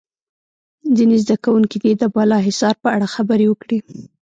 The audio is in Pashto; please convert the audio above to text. ځینې زده کوونکي دې د بالا حصار په اړه خبرې وکړي.